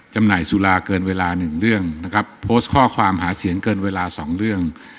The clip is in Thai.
จำหน่ายสุราเกินเวลาหนึ่งเรื่องนะครับโพสต์ข้อความหาเสียงเกินเวลาสองเรื่อง